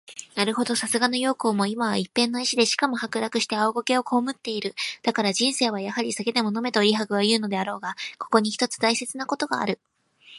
なるほど、さすがの羊公も、今は一片の石で、しかも剥落して青苔を蒙つてゐる。だから人生はやはり酒でも飲めと李白はいふのであらうが、ここに一つ大切なことがある。